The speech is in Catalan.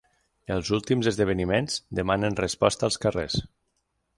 Els últims esdeveniments demanen resposta als carrers.